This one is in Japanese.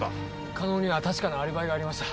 加納には確かなアリバイがありました。